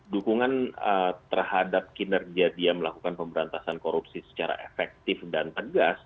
dukungan terhadap kinerja dia melakukan pemberantasan korupsi secara efektif dan tegas